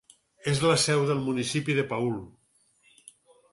És la seu del municipi de Paul.